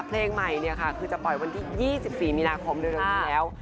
เพลงใหม่คือจะปล่อยวันที่๒๔มีนาคมเริ่มต้นกันแล้ว